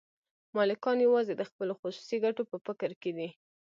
مالکان یوازې د خپلو خصوصي ګټو په فکر کې دي